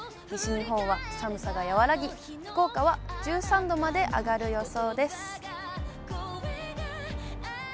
西日本は寒さが和らぎ、福岡は１３度まで上がる予想です。